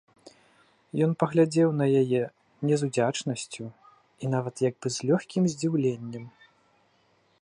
Ён паглядзеў на яе не з удзячнасцю і нават як бы з лёгкім здзіўленнем.